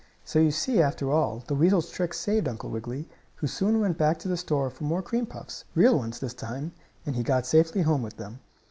] So you see, after all, the weasel's trick saved Uncle Wiggily, who soon went back to the store for more cream puffs real ones this time, and he got safely home with them.